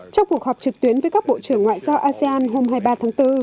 trong cuộc họp trực tuyến với các bộ trưởng ngoại giao asean hôm hai mươi ba tháng bốn